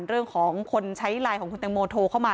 เรื่องของคนใช้ไลน์ของคุณแตงโมโทรเข้ามา